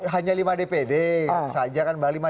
hanya lima dpd saja kan